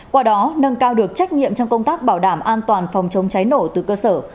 qua đó nâng cao được trách nhiệm trong công tác bảo đảm an toàn phòng chống cháy nổ từ cơ sở